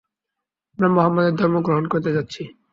আমরা মুহাম্মাদের ধর্ম গ্রহণ করতে যাচ্ছি।